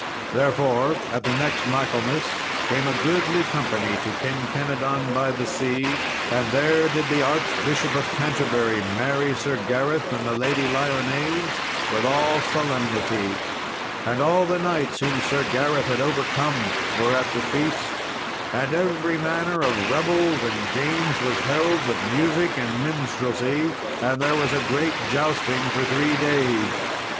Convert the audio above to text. Therefore, at the next Michaelmas, came a goodly company to Kinkenadon by the Sea. And there did the Archbishop of Canterbury marry Sir Gareth and the Lady Lyones with all solemnity. And all the knights whom Sir Gareth had overcome were at the feast; and every manner of revels and games was held with music and minstrelsy. And there was a great jousting for three days.